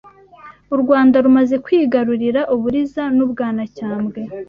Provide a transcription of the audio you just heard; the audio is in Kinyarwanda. U Rwanda rumaze kwigarurira u Buliza n’u Bwanacyambwe